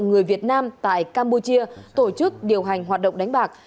người việt nam tại campuchia tổ chức điều hành hoạt động đánh bạc